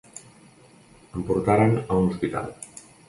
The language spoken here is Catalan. Em portaren a un hospital.